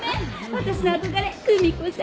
私の憧れ久美子社長！